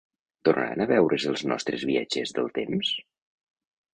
Tornaran a veure's els nostres viatgers del temps?